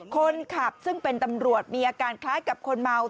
คนขับซึ่งเป็นตำรวจมีอาการคล้ายกับคนเมา